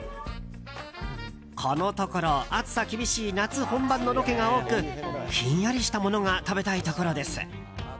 このところ暑さ厳しい夏本番のロケが多くひんやりしたものが食べたいところです。